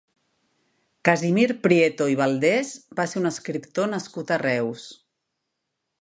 Casimir Prieto i Valdés va ser un escriptor nascut a Reus.